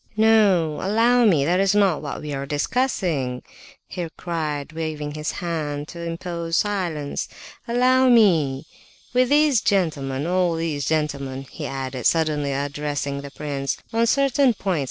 "No! Allow me, that is not what we are discussing!" he cried, waving his hand to impose silence. "Allow me! With these gentlemen... all these gentlemen," he added, suddenly addressing the prince, "on certain points...